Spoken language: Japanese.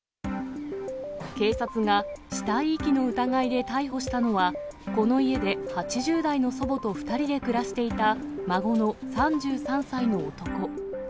警察が死体遺棄の疑いで逮捕したのは、この家で８０代の祖母と２人で暮らしていた孫の３３歳の男。